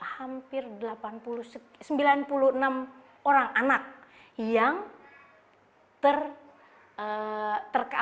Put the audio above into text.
hampir sembilan puluh enam orang anak yang terkandung